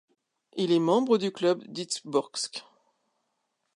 Il est membre du club d'Izborsk.